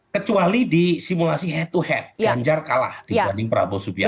kecuali di simulasi head to head ganjar kalah dibanding prabowo subianto